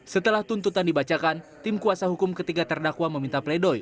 setelah tuntutan dibacakan tim kuasa hukum ketiga terdakwa meminta pledoi